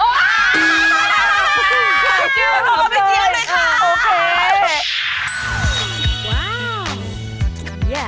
ไว้เผ่อกันเลย